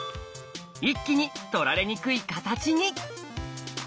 一気に取られにくいカタチに。